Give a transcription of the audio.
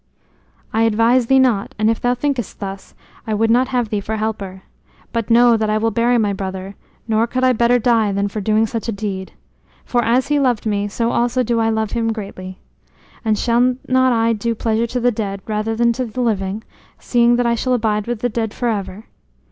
"I advise thee not, and if thou thinkest thus, I would not have thee for helper. But know that I will bury my brother, nor could I better die than for doing such a deed. For as he loved me, so also do I love him greatly. And shall not I do pleasure to the dead rather than to the living, seeing that I shall abide with the dead for ever?